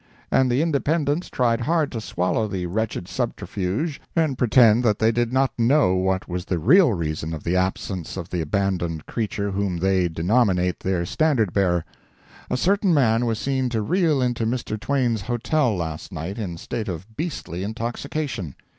And the Independents tried hard to swallow the wretched subterfuge and pretend that they did not know what was the real reason of the absence of the abandoned creature whom they denominate their standard bearer. A certain man was seen to reel into Mr. Twain's hotel last night in state of beastly intoxication.